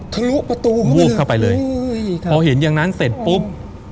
ทะลุประตูวูบเข้าไปเลยพอเห็นอย่างนั้นเสร็จปุ๊บ